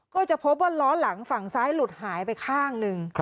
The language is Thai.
ก็จะพบว่าล้อหลังฝั่งซ้ายหลุดหายไปข้างหนึ่ง